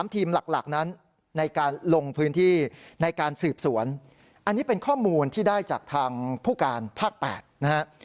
ทีมหลักนั้นในการลงพื้นที่ในการสืบสวนอันนี้เป็นข้อมูลที่ได้จากทางผู้การภาค๘นะฮะ